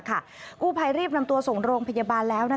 กู้ภัยรีบนำตัวส่งโรงพยาบาลแล้ว